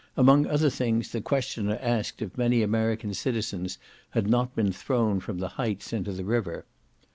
Among other things, the questioner asked if many American citizens had not been thrown from the heights into the river.